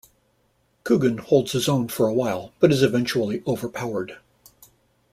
Coogan holds his own for a while but is eventually overpowered.